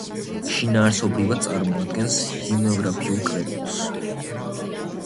შინაარსობრივად წარმოადგენს ჰიმნოგრაფიულ კრებულს.